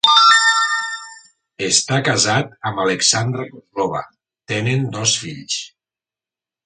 Està casat amb Alexandra Kozlova, tenen dos fills.